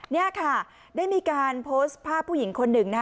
นี่ค่ะได้มีการโพสต์ภาพผู้หญิงคนหนึ่งนะคะ